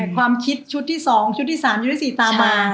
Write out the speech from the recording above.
ความคิดชุดที่สองชุดที่สามชุดที่สี่ตามมา